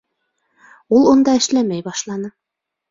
Ул унда эшләмәй башланы